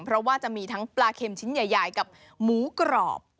เพราะว่าจะมีทั้งปลาเข็มชิ้นใหญ่กับหมูกรอบ